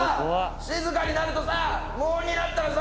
静かになるとさ無音になったらさ